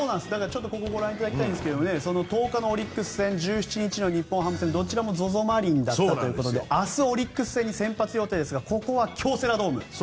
ここご覧いただきたいんですが１０日のオリックス戦１７日の日本ハム戦に先発出場の予定ということですが明日、オリックス戦に先発予定ですがここは京セラドーム。